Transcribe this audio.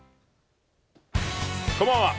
こんばんは。